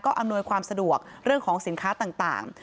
อำนวยความสะดวกเรื่องของสินค้าต่าง